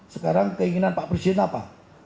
sekarang keinginan pak presiden apa